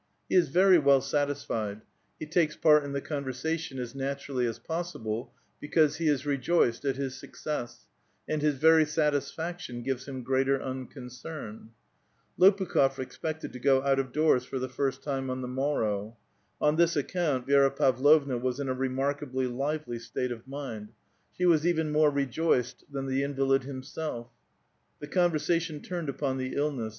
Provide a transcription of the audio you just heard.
He is very well satisfied ; he takes part in the con vei*sation as naturally as possible, because he is rejoiced at his success, and his very satisfaction gives him greater un concern. Lopukh6f expected to go out of doors for the first time on the morrow. On this account Vi^ra Pavlovna was in a re markably lively state of mind ; she was even more rejoiced than the invalid himself. The conversation turned upon the illness.